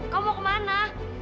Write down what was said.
kau mau kemana